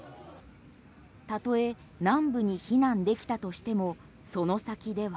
たとえ南部に避難できたとしてもその先では。